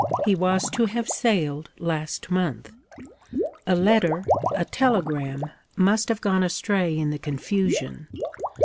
He was to have sailed last month. A letter a telegram must have gone astray in the confusion.